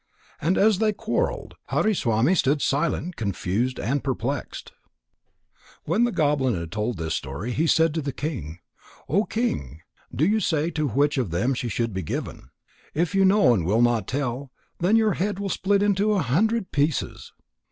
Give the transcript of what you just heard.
And as they quarrelled, Hariswami stood silent, confused, and perplexed. When the goblin had told this story, he said to the king: "O King, do you say to which of them she should be given. If you know and will not tell, then your head will split into a hundred pieces."